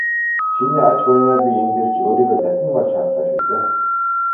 Чиний ач буянаар би энд ирж өөрийгөө дахин олж харлаа шүү дээ.